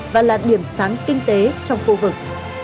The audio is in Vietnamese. và là điểm sáng kinh tế trong khu vực